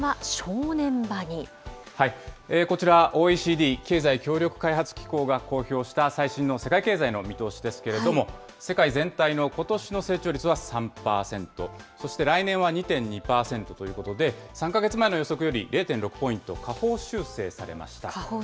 こちら、ＯＥＣＤ・経済協力開発機構が公表した最新の世界経済の見通しですけれども、世界全体のことしの成長率は３％、そして来年は２．２％ということで、３か月前の予測より０．６ポイント下方修正されました。